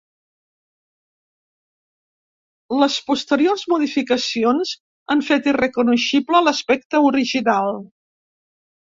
Les posteriors modificacions han fet irreconeixible l’aspecte original.